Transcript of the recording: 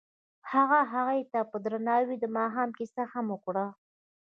هغه هغې ته په درناوي د ماښام کیسه هم وکړه.